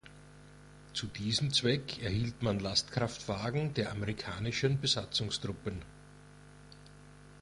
Zu diesem Zweck erhielt man Lastkraftwagen der amerikanischen Besatzungstruppen.